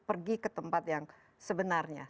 pergi ke tempat yang sebenarnya